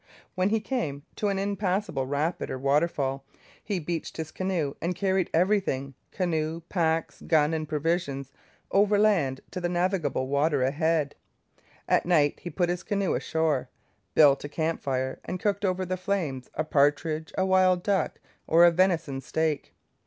When he came to an impassable rapid or waterfall, he beached his canoe and carried everything canoe, packs, gun, and provisions overland to the navigable water ahead. At night he pulled his canoe ashore, built a campfire, and cooked over the flames a partridge, a wild duck, or a venison steak.